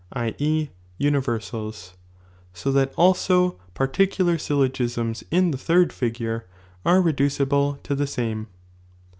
f so that also particu i"".. l«r syllogisms in the third figure (are reducible to the same).